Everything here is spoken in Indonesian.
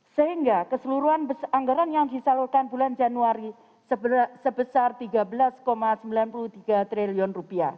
sehingga keseluruhan anggaran yang disalurkan bulan januari sebesar rp tiga belas sembilan puluh tiga triliun